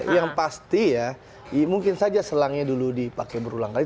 yang pasti ya mungkin saja selangnya dulu dipakai berulang kali